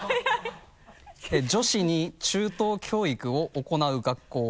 「女子に中等教育をおこなう学校」